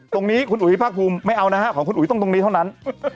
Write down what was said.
ตรงนี้คุณอุ๋ยภาคภูมิไม่เอานะฮะของคุณอุ๋ยต้องตรงนี้เท่านั้น